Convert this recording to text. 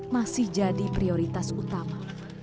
masih jadi prioritas utama